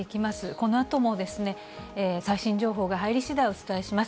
このあとも最新情報が入りしだい、お伝えします。